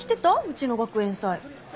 うちの学園祭。